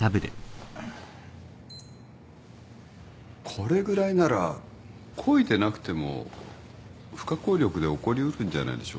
これぐらいなら故意でなくても不可抗力で起こり得るんじゃないでしょうか。